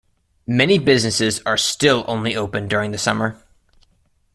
Many businesses are still only open during the summer.